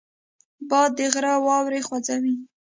باد د غره واورې خوځوي